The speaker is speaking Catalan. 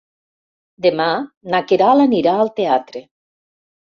Demà na Queralt anirà al teatre.